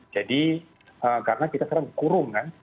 jadi karena kita sekarang dikurung kan